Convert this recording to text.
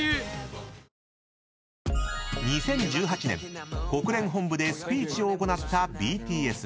［２０１８年国連本部でスピーチを行ったＢＴＳ］